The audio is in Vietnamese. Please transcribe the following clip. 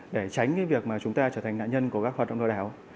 để tránh cái việc mà chúng ta trở thành nạn nhân của các hoạt động lừa đảo